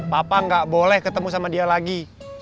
papa nggak boleh ketemu sama dia lagi